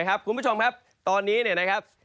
คุณผู้ชมครับตอนนี้นะครับ